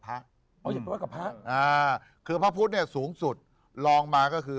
คิกคิกคิกคิกคิกคิกคิกคิกคิกคิกคิก